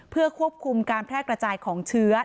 เพื่อควบคุมการแพร่กระจายของเชื้อ